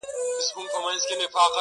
o ه تا ويل اور نه پرېږدو تنور نه پرېږدو،